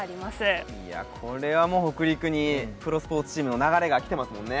これはもう北陸にプロスポーツチームの流れが来てますもんね。